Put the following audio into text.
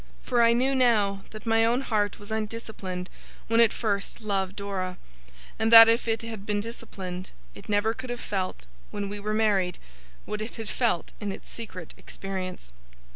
For I knew, now, that my own heart was undisciplined when it first loved Dora; and that if it had been disciplined, it never could have felt, when we were married, what it had felt in its secret experience.